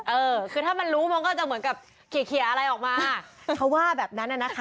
เออคือถ้ามันรู้มันก็จะเหมือนกับเคลียร์อะไรออกมาเขาว่าแบบนั้นน่ะนะคะ